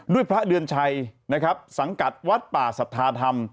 ด้วยพระเดือนชัยสังกัดวัดป่าสัทธาธรรม